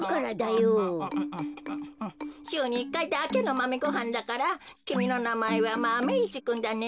しゅうに１かいだけのマメごはんだからきみのなまえはマメ１くんだね。